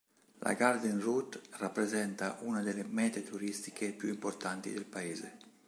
La Garden Route rappresenta una delle mete turistiche più importanti del paese.